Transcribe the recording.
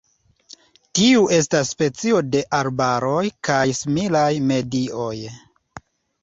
Tiu estas specio de arbaroj kaj similaj medioj.